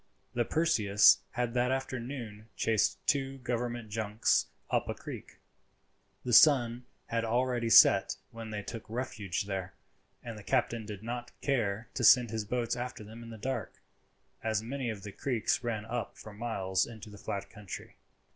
The Perseus had that afternoon chased two government junks up a creek. The sun had already set when they took refuge there; and the captain did not care to send his boats after them in the dark, as many of the creeks ran up for miles into the flat country.